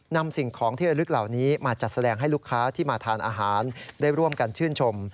สิ่งของที่ระลึกเหล่านี้มาจัดแสดงให้ลูกค้าที่มาทานอาหารได้ร่วมกันชื่นชม